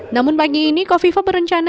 namun pagi ini kofi fai berencana akibatnya